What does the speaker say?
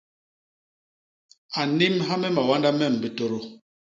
A nnimha me mawanda mem bitôdô.